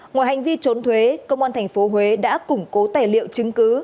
ngoài hành vi trốn thuế công an tp huế đã củng cố tài liệu chứng cứ